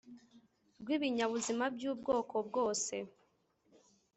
rw ibinyabuzima by ubwoko bwose